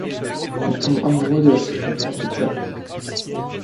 Il tombe amoureux de la secrétaire de Jack.